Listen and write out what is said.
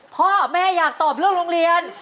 พ่อแม่อยากตอบเรื่องโรงเรียน